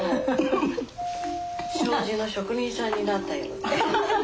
障子の職人さんになったような。